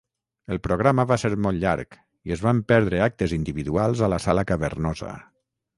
El programa va ser molt llarg i es van perdre actes individuals a la sala cavernosa.